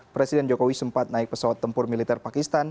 presiden jokowi sempat naik pesawat tempur militer pakistan